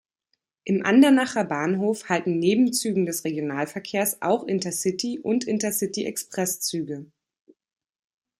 Im Andernacher Bahnhof halten neben Zügen des Regionalverkehrs auch Intercity- und Intercity-Express-Züge.